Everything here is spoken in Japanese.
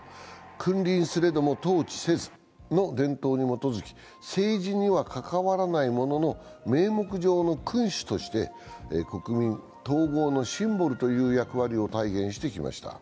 君臨すれども統治せずの伝統に基づき、政治には関わらないものの、名目上の君主として国民統合のシンボルという役割を体現してきました。